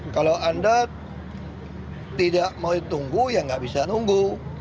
kalau anda tidak mau ditunggu ya nggak bisa nunggu